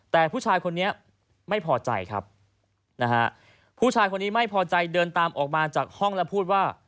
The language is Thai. แต่ผู้ชายคนนี้ไม่พอใจครับนะฮะผู้ชายคนนี้ไม่พอใจเดินตามออกมาจากห้องแล้วพูดว่า